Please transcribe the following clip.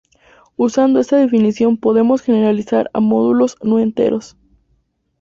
Usando esta definición, podemos generalizar a módulos no enteros.